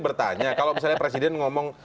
bertanya kalau misalnya presiden ngomong